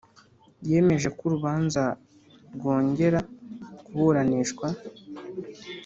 yemeje ko urubanza rwongera kuburanishwa